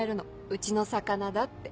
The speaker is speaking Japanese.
うちの魚だって。